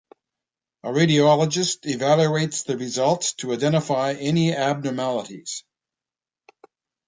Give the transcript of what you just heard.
A radiologist evaluates the results to identify any abnormalities.